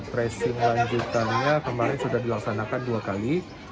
tracing lanjutannya kemarin sudah dilaksanakan dua kali